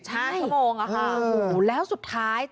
ใช่ค่ะโมงค่ะโอ้โฮแล้วสุดท้าย